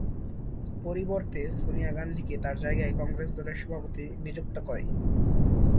পরিবর্তে সোনিয়া গান্ধীকে তাঁর জায়গায় কংগ্রেস দলের সভাপতি নিযুক্ত করে।